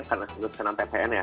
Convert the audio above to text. karena aku suka ptn ya